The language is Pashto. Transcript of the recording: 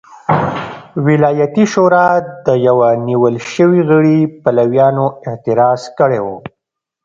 د ولایتي شورا د یوه نیول شوي غړي پلویانو اعتراض کړی و.